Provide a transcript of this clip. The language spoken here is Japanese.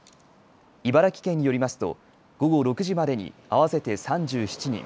茨城県によりますと午後６時までに合わせて３７人。